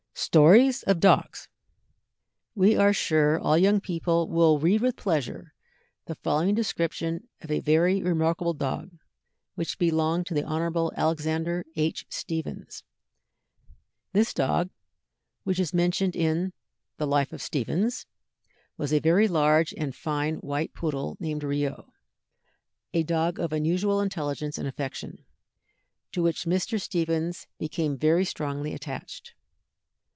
STORIES OF DOGS. We are sure all young people will read with pleasure the following description of a very remarkable dog which belonged to the Hon. Alexander H. Stephens. This dog, which is mentioned in the Life of Mr. Stephens, was a very large and fine white poodle, named Rio, a dog of unusual intelligence and affection, to which Mr. Stephens became very strongly attached.